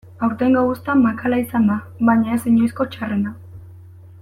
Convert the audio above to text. Aurtengo uzta makala izan da baina ez inoizko txarrena.